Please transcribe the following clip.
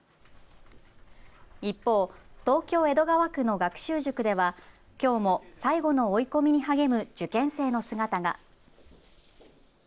一方、東京江戸川区の学習塾ではきょうも最後の追い込みに励む受験生の姿が。